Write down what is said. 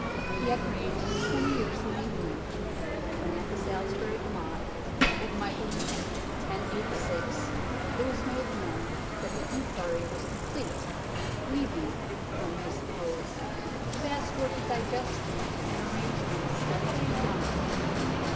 He had reigned twenty years in England when at the Salisbury gemot 68 THE DOMESDAY BOOK 69 at Michaelmas, 1086, it was made known that the inquiry was complete, leaving, one may suppose, the vast work of digestion and arrange ment still to be done.